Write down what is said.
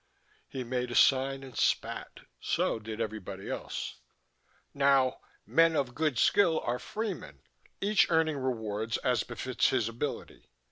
He made a sign and spat. So did everybody else. "Now men of good skill are freemen, each earning rewards as befits his ability.